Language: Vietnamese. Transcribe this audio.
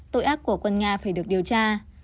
tội ác của quân nga phải được điều tra